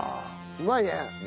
うまいね。